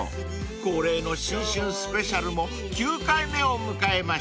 ［恒例の新春スペシャルも９回目を迎えました］